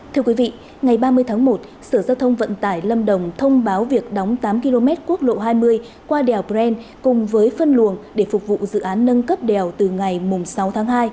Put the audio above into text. thưa quý vị ngày ba mươi tháng một sở giao thông vận tải lâm đồng thông báo việc đóng tám km quốc lộ hai mươi qua đèo bren cùng với phân luồng để phục vụ dự án nâng cấp đèo từ ngày sáu tháng hai